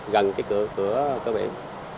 gần cái cửa cửa cơ biển